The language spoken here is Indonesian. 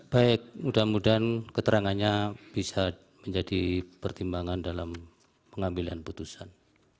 baik mudah mudahan keterangannya bisa menjadi pertimbangan dalam pengambilan putusan